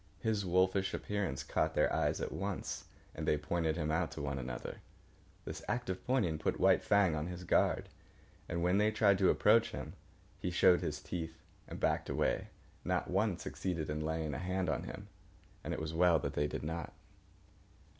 His wolfish appearance caught their eyes at once, and they pointed him out to one another. This act of pointing put White Fang on his guard, and when they tried to approach him he showed his teeth and backed away. Not one succeeded in laying a hand on him, and it was well that they did not.